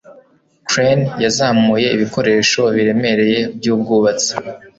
Crane yazamuye ibikoresho biremereye byubwubatsi.